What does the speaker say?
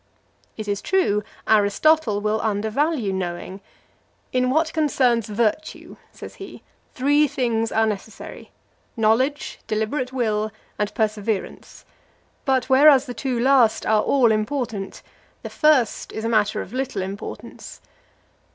"+ It is true, Aristotle will undervalue knowing: "In what concerns virtue," says he, "three things are necessary, knowledge, deliberate will, and perseverance; but, whereas the two last are all important, the first is a matter of little importance."